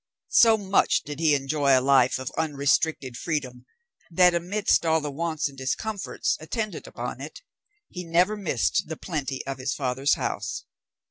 So much did he enjoy a life of unrestricted freedom, that amidst all the wants and discomforts attendant upon it, he never missed the plenty of his father's house.